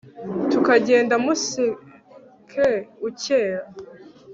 tukajyenda umuseke ucyeya